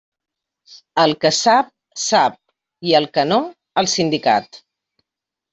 El que sap, sap, i el que no, al sindicat.